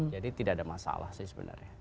jadi tidak ada masalah sih sebenarnya